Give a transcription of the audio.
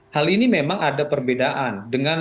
hal ini memang ada perbedaan dengan